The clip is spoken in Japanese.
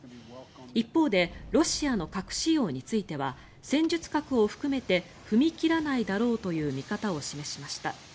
一方でロシアの核使用については戦術核を含めて踏み切らないだろうという見方を示しました。